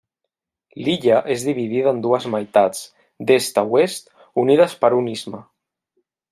L'illa és dividida en dues meitats d'est a oest unides per un istme.